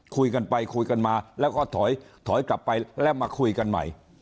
คุยกันไปคุยกันมาแล้วก็ถอยถอยกลับไปแล้วมาคุยกันใหม่